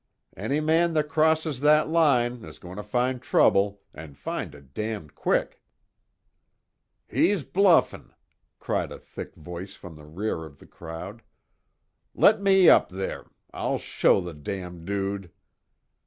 "Any man that crosses that line is going to find trouble and find it damned quick." "He's bluffin'," cried a thick voice from the rear of the crowd, "Let me up there. I'll show the damn dude!"